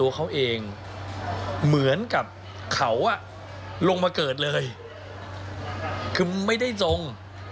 คือไม่ได้จง